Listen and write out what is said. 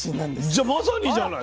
じゃあまさにじゃない。